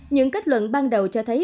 những kết luận ban đầu cho thấy